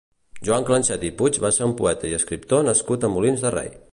Joan Clanchet i Puig va ser un poeta i escriptor nascut a Molins de Rei.